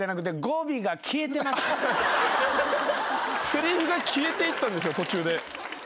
せりふが消えていったんですよ途中で。